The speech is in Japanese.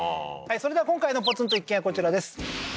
それでは今回のポツンと一軒家こちらです